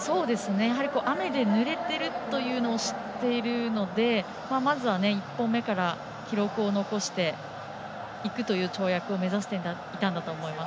雨でぬれてるというのを知っているのでまずは１本目から記録を残していくという跳躍を目指していたと思います。